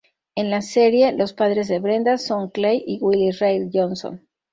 En la serie, los padres de Brenda son Clay y Willie Rae Johnson.